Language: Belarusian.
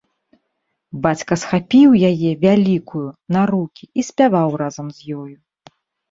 Бацька схапіў яе, вялікую, на рукі і спяваў разам з ёю.